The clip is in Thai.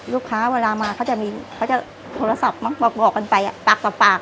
ลูกค้าเวลามาเขาจะมีเขาจะโทรศัพท์มาบอกบอกกันไปอ่ะปากต่อปาก